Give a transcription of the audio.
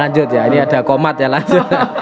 lanjut ya ini ada komat ya lanjut